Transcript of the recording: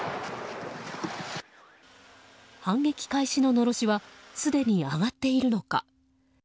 反撃開始ののろしはすでに上がっているのか。